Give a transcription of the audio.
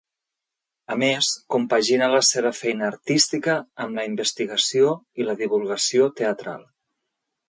A més, compagina la seva feina artística amb la investigació i la divulgació teatral.